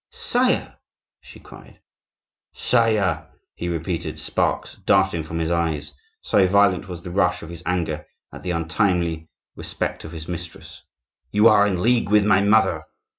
"Sire!" she cried. "Sire!" he repeated, sparks darting from his eyes, so violent was the rush of his anger at the untimely respect of his mistress. "You are in league with my mother."